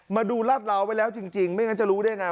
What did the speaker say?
มาดูรัดราวไว้แล้วจริงไม่งั้นจะรู้ได้ไง